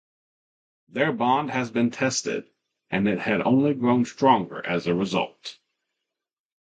Their bond had been tested, and it had only grown stronger as a result.